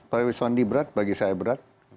pak wiswandi berat bagi saya berat